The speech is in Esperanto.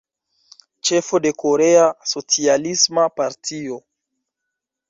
Ĉefo de Korea Socialisma Partio.